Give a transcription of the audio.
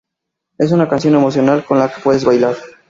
Es una canción emocional con la que puedes bailar.